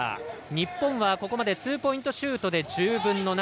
日本はここまでツーポイントシュートで１０分の７